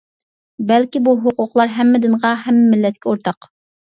بەلكى بۇ ھوقۇقلار ھەممە دىنغا ھەممە مىللەتكە ئورتاق.